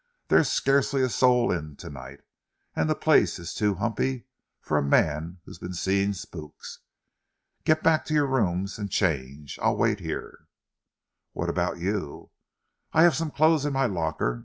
"There's scarcely a soul in to night, and the place is too humpy for a man who's been seeing spooks. Get back to your rooms and change. I'll wait here." "What about you?" "I have some clothes in my locker.